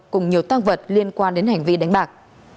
cùng nhiều tăng vật liên quan đến hành vi đánh bạc